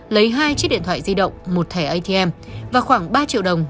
lấy hai chiếc điện thoại di động một thẻ atm và khoảng ba triệu đồng